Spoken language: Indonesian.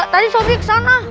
tadi sobri ke sana